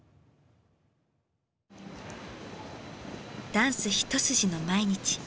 ダンス一筋の毎日。